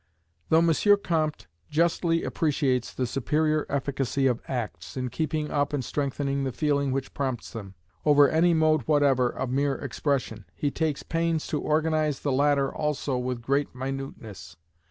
Though M. Comte justly appreciates the superior efficacy of acts, in keeping up and strengthening the feeling which prompts them, over any mode whatever of mere expression, he takes pains to organize the latter also with great minuteness.